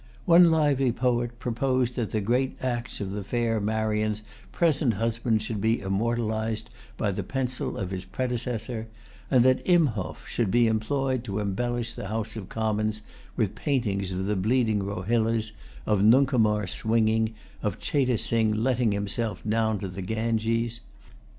One lively poet proposed that the great acts of the fair Marian's present husband should be immortalized by the pencil of his predecessor; and that Imhoff should be employed to embellish the House of Commons with paintings of the bleeding Rohillas, of Nuncomar swinging, of Cheyte Sing letting himself down to the Ganges.